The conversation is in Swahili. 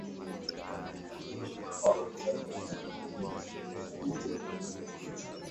Ni maneno mawili.